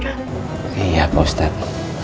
iya pak ustadz